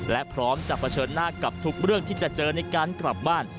และพร้อมจะเผชิญหน้ากับทุกเรื่องที่จะเจอในการกลับบ้าน